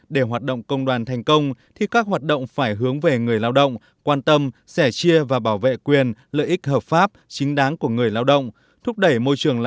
để hoạt động công đoàn thành công thì các hoạt động phải hướng về người lao động quan tâm sẻ chia và bảo vệ quyền lợi ích hợp pháp chính đáng của người lao động